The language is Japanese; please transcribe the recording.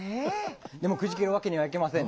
でもくじけるわけにはいきません。